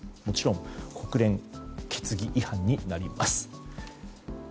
もちろん国連決議違反になります。